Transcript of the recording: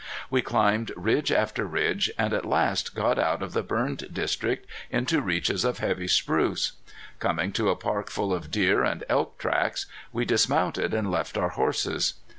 We climbed ridge after ridge, and at last got out of the burned district into reaches of heavy spruce. Coming to a park full of deer and elk tracks, we dismounted and left our horses.